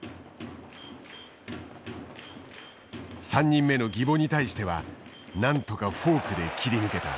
３人目の宜保に対してはなんとかフォークで切り抜けた。